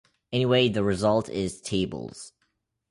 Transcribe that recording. Anyway, the result is tables.